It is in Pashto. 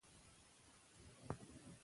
دوی د وطن د ساتنې نیت کړی.